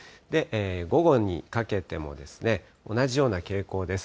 午後にかけても、同じような傾向です。